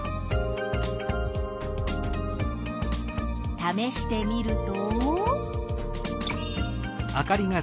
ためしてみると？